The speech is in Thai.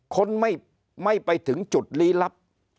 คนไม่ไปถึงจุดลี้ลับ